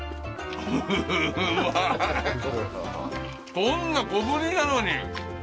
こんな小ぶりなのに。